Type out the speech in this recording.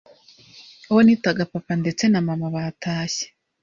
uwo nitaga Papa ndetse na Mama batashye